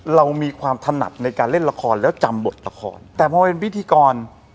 เรามีความถนัดในการเล่นละครแล้วจำบทละครแต่พอเป็นพิธีกร